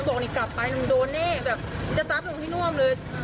บอกหนูกลับไปหนูโดนแน่จะซับหนูที่น่วมเลย